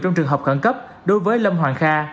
trong trường hợp khẩn cấp đối với lâm hoàng kha